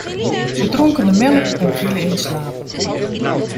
Ze dronken de melk en vielen in slaap.